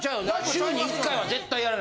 週に１回は絶対やらな